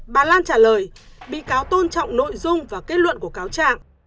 bà lan trả lời bị cáo tôn trọng nội dung và kết luận của cáo trạng